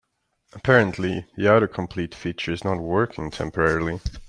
Apparently, the autocomplete feature is not working temporarily.